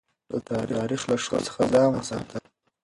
ده د تاريخ له شور څخه ځان وساته.